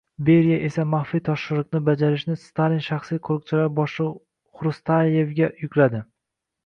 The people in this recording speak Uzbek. Beriya esa maxfiy topshiriqni bajarishni Stalin shaxsiy qoʻriqchilari boshligʻi Xrustalevga yukladi